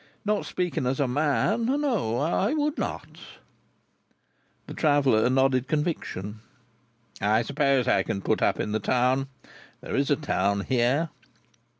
Not speaking as a man, no, I would not." The traveller nodded conviction. "I suppose I can put up in the town? There is a town here?"